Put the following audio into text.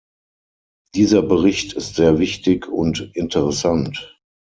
Dieser Bericht ist sehr wichtig und interessant.